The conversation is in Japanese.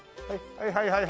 はいはいはい！